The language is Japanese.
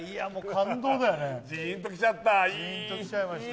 ジーンときちゃいました。